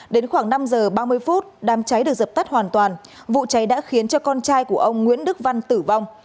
đến khoảng năm giờ ba mươi phút đám cháy được dập tắt hoàn toàn vụ cháy đã khiến cho con trai của ông nguyễn đức văn tử vong